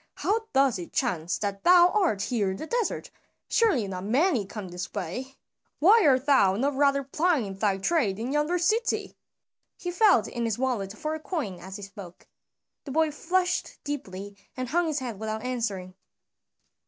"How doth it chance that thou art here in the desert? Surely not many come this way. Why art thou not rather plying thy trade in yonder city?" He felt in his wallet for a coin as he spoke. The boy flushed deeply and hung his head without answering.